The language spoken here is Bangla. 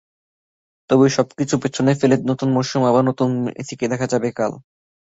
তবে সবকিছু পেছনে ফেলে নতুন মৌসুমে আবারও নতুন মেসিকেই দেখা গেল কাল।